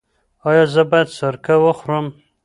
ایا زه باید سرکه وخورم؟